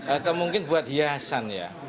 atau mungkin buat hiasan ya